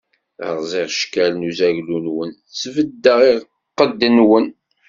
Rẓiɣ cckal n uzaglu-nwen, sbeddeɣ lqedd-nwen.